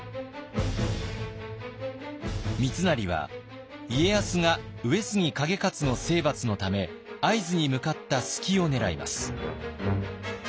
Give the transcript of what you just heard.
三成は家康が上杉景勝の征伐のため会津に向かった隙を狙います。